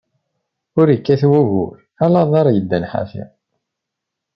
Ur ikkat wugur, ala aḍaṛ yeddan ḥafi.